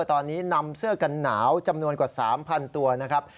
ตอนนี้นำเสื้อกันหนาวจำนวนกว่า๓๐๐ตัวนะครับ